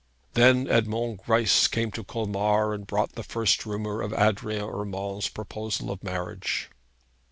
Then Edmond Greisse had come to Colmar, and brought the first rumour of Adrian Urmand's proposal of marriage.